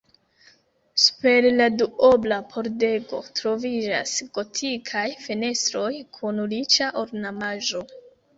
Super la duobla pordego troviĝas gotikaj fenestroj kun riĉa ornamaĵo.